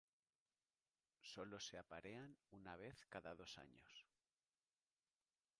Sólo se aparean una vez cada dos años.